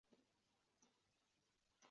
它是世界上最长寿的急诊。